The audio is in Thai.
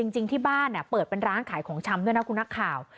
จริงที่บ้านเปิดเป็นร้านขายของชำด้วยนะคุณนักข่าว